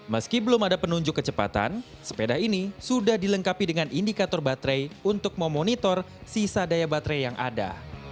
meski belum ada penunjuk kecepatan sepeda ini sudah dilengkapi dengan indikator baterai untuk memonitor sisa daya baterai yang ada